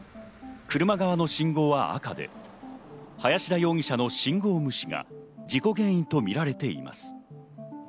車側の信号は赤で林田容疑者の信号無視が事故原因とみられています。